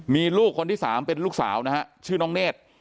มีลูกคนที่๓เป็นลูกสาวนะฮะชื่อน้องเนธ